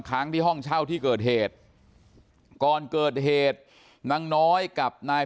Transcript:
ค้างที่ห้องเช่าที่เกิดเหตุก่อนเกิดเหตุนางน้อยกับนาย